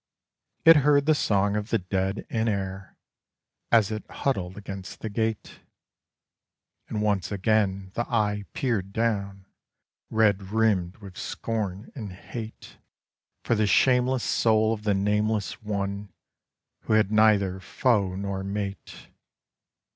It heard the song of the Dead in Air, as It huddled against the gate; And once again the Eye peered down red rimmed with scorn and hate For the shameless soul of the nameless one who had neither foe nor mate.